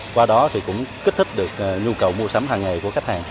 qua đó thì cũng kích thích được nhu cầu mua sắm hàng ngày của khách hàng